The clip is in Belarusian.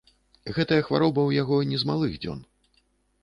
Гэтая хвароба ў яго не з малых дзён.